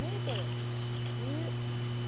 低っ！